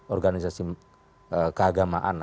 organisasi keagamaan ada